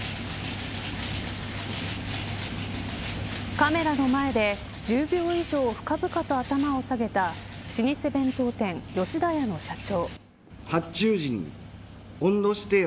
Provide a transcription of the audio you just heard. カメラの前で１０秒以上深々と頭を下げた老舗弁当店、吉田屋の社長。